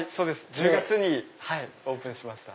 １０月にオープンしました。